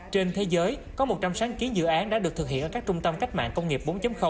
trên thế giới có một trăm linh sáng kiến dự án đã được thực hiện ở các trung tâm cách mạng công nghiệp bốn